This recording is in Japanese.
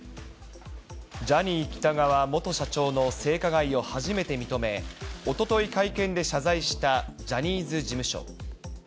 ジャニー喜多川元社長の性加害を初めて認め、おととい会見で謝罪した、ジャニーズ事務所。